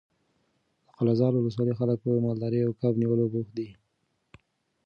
د قلعه زال ولسوالۍ خلک په مالدارۍ او کب نیولو بوخت دي.